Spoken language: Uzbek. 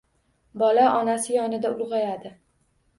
Bola onasi yonida ulg‘ayadi